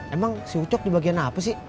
emang si ucok di bagian apa sih